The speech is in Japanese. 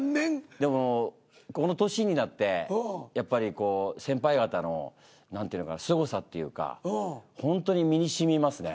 でもこの年になってやっぱりこう先輩方の何て言うのかなすごさっていうかほんとに身にしみますね。